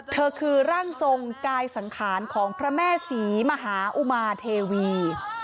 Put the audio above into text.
เธอคือร่างทรงกายสังขารของพระแม่ศรีมหาอุมาเทวี